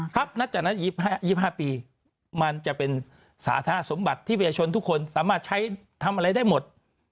นับจากนั้น๒๕ปีมันจะเป็นสาธาสมบัติที่ประชาชนทุกคนสามารถใช้ทำอะไรได้หมด